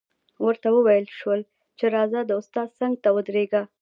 ورته وویل شول چې راځه د استاد څنګ ته ودرېږه